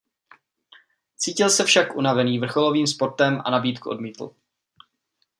Cítil se však unavený vrcholovým sportem a nabídku odmítl.